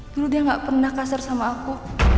dulu dia gak pernah kasar sama aku